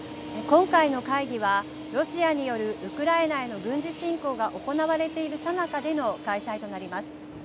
今回の会議はロシアによるウクライナへの軍事侵攻が行われているさなかでの開催となります。